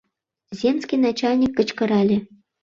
Земский начальник кычкырале: